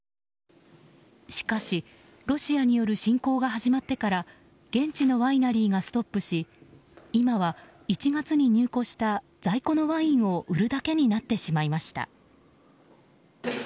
しかし、ロシアによる侵攻が始まってから現地のワイナリーがストップし今は１月に入庫した在庫のワインを売るだけになってしまいました。